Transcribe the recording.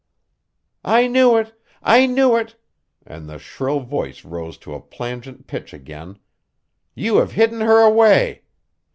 "I knew it! I knew it!" and the shrill voice rose to a plangent pitch again. "You have hidden her away.